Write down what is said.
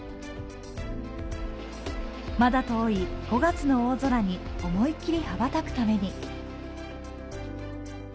まだ遠い５月の大空に思いきり羽ばたくために。